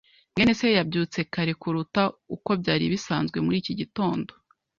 mwene se yabyutse kare kuruta uko byari bisanzwe muri iki gitondo.